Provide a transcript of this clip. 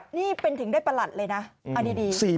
นี่เป็นถึงได้ประหลัดเลยนะอันนี้ดี